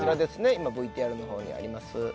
今ＶＴＲのほうにあります